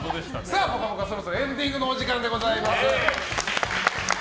「ぽかぽか」、そろそろエンディングのお時間です。